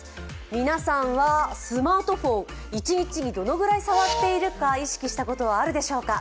皆さんはスマートフォンを一日にどれぐらい触っているか意識したことはあるでしょうか。